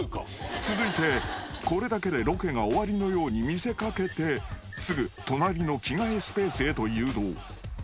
［続いてこれだけでロケが終わりのように見せかけてすぐ隣の着替えスペースへと誘導］